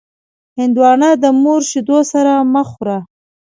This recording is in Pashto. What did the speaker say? هندوانه د مور شیدو سره مه خوره.